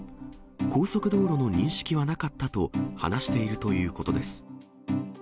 高速道路の認識はなかったと、話しているということです。